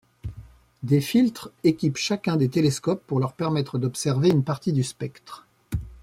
Des filtres équipent chacun des télescopes pour leur permettre d'observer une partie du spectre.